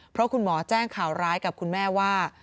เพราะคุณหมอแจ้งข่าวร้ายกับคุณแม่ว่า